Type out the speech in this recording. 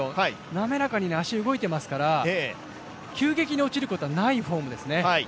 なめらかに足が動いてますから、急激に落ちることはないフォームですね。